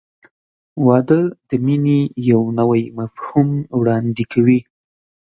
• واده د مینې یو نوی مفهوم وړاندې کوي.